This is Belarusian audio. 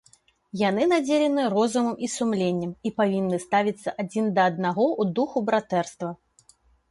Яны надзелены розумам і сумленнем і павінны ставіцца адзін да аднаго ў духу братэрства.